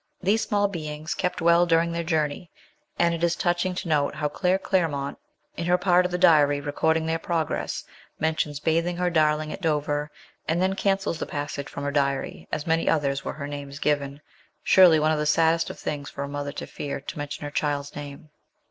These small beings kept well during their journey, and it is touching to note how Claire Clairmont, in her part of the diary recording their progress, mentions bathing her darling at Dover, and then cancels the passage from her diary, as many others where her name is given surely one of the saddest of things for a mother to fear to mention her child's name